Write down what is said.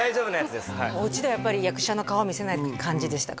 おうちではやっぱり役者の顔見せない感じでしたか？